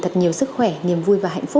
em nhiều rồi em cũng không nhớ